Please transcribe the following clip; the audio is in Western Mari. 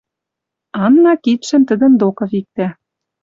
Анна кидшӹм тӹдӹн докы виктӓ